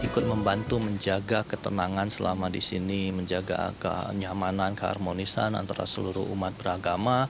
ikut membantu menjaga ketenangan selama di sini menjaga kenyamanan keharmonisan antara seluruh umat beragama